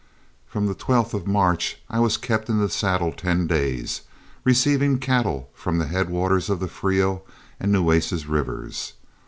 From the 12th of March I was kept in the saddle ten days, receiving cattle from the headwaters of the Frio and Nueces rivers.